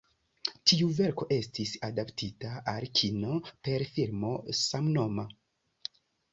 Tiu verko estis adaptita al kino, per filmo samnoma.